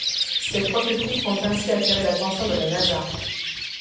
Ces prototypes ont ainsi attiré l'attention de la Nasa.